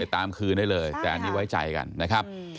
ตามคืนได้เลยแต่อันนี้ไว้ใจกันนะครับ